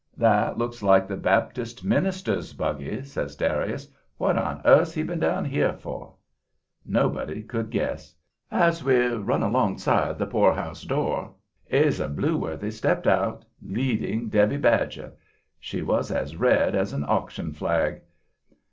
"That looks like the Baptist minister's buggy," says Darius. "What on earth's he been down here for?" Nobody could guess. As we run alongside the poorhouse door, Ase Blueworthy stepped out, leading Debby Badger. She was as red as an auction flag.